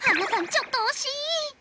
ちょっと惜しい。